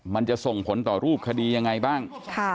มันจะส่งผลต่อรูปคดียังไงบ้าง